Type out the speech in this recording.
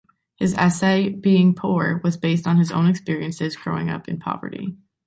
His essay "Being Poor" was based on his own experiences growing up in poverty.